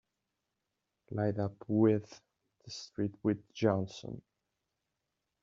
Light up with the street with Johnson!